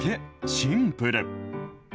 シンプル。